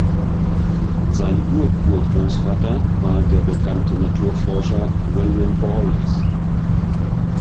Sein Ur-Ur-Großvater war der bekannte Naturforscher William Borlase.